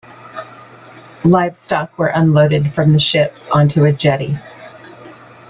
Livestock were unloaded from the ships onto a jetty.